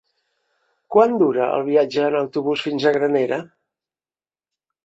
Quant dura el viatge en autobús fins a Granera?